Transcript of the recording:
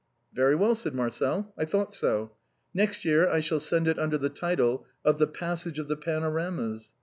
" Very well," said Marcel, " I thought so ! Next year, I shall send it under the title of ' The Passage of the Pano ramas.'